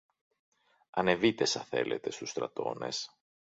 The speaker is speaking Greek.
Ανεβείτε, σα θέλετε, στους στρατώνες